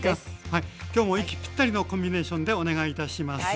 はい今日も息ピッタリのコンビネーションでお願いいたします。